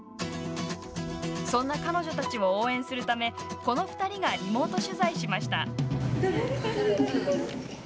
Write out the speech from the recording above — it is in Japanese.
そんな彼女たちを応援するためこの２人がリモート取材しました。